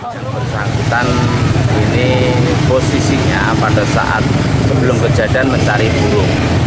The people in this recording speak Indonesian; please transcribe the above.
yang bersangkutan ini posisinya pada saat sebelum kejadian mencari burung